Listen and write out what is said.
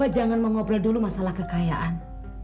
jangan mengobrol mengenai kekayaan